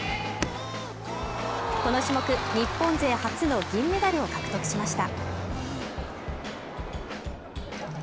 この種目日本勢初の銀メダルを獲得しました